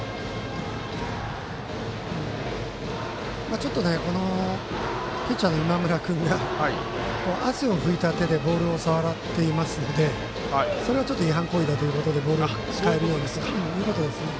ちょっとピッチャーの今村君が汗をふいた手でボールを触っているのでそれが違反行為ということでボールを変えられたということですね。